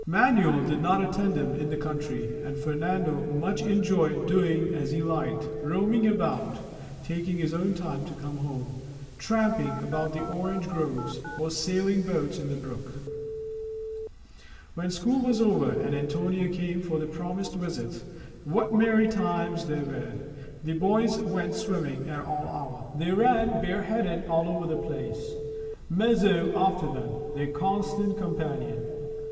Manuel did not attend him in the country, and Fernando much enjoyed doing as he liked, roaming about, taking his own time to come home, tramping about the orange groves, or sailing boats in the brook. 96 Games and Sports 97 When school was over and Antonio came for the promised visit, what merry times there were ! The boys went swimming at all hours. They ran bareheaded all over the place, Mazo after them, their constant com panion.